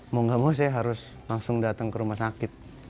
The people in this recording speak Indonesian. mau gak mau saya harus langsung datang ke rumah sakit